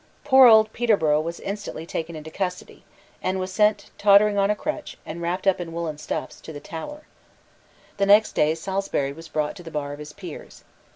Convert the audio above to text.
Poor old Peterborough was instantly taken into custody, and was sent, tottering on a crutch, and wrapped up in woollen stuffs, to the Tower. The next day Salisbury was brought to the bar of his peers.